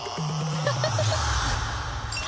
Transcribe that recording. ハハハハ。